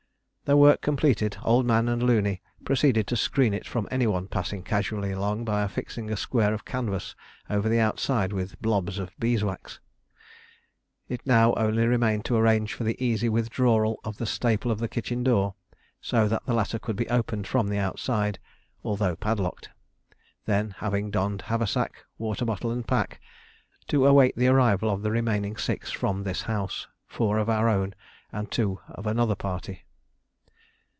Their work completed, Old Man and Looney proceeded to screen it from any one passing casually along, by affixing a square of canvas over the outside with "blobs" of beeswax. It now only remained to arrange for the easy withdrawal of the staple of the kitchen door, so that the latter could be opened from the outside, although padlocked; then, having donned haversack, water bottle, and pack, to await the arrival of the remaining six from this house, four of our own and two of another party.